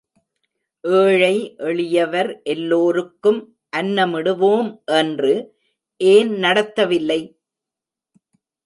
ஏழை எளியவர் எல்லோருக்கும் அன்னமிடுவோம் என்று, ஏன் நடத்தவில்லை?